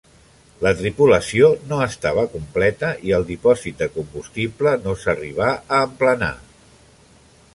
La tripulació no estava completa i el dipòsit de combustible no s'arribà a emplenar.